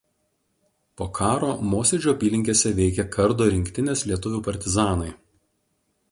Po karo Mosėdžio apylinkėse veikė Kardo rinktinės lietuvių partizanai.